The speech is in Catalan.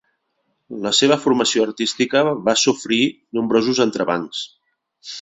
La seva formació artística va sofrir nombrosos entrebancs.